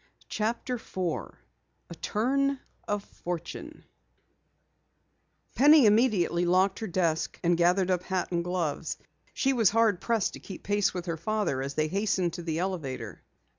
CHAPTER 4 A TURN OF FORTUNE Penny immediately locked her desk and gathered up hat and gloves. She was hard pressed to keep pace with her father as they hastened to the elevator.